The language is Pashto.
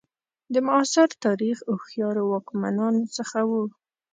د معاصر تاریخ هوښیارو واکمنانو څخه وو.